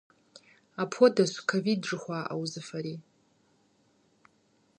Апхуэдэщ ковид жыхуаӏэ узыфэри.